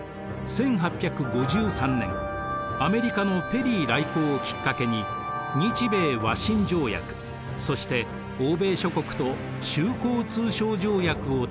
１８５３年アメリカのペリー来航をきっかけに日米和親条約そして欧米諸国と修好通商条約を締結します。